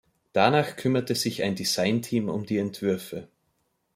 Danach kümmerte sich ein Design-Team um die Entwürfe.